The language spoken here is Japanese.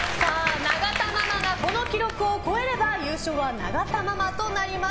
永田ママがこの記録を超えれば優勝は永田ママとなります。